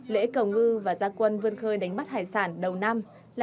lễ cầu ngư và gia quân vươn khơi đánh bắt hải sản đầu năm là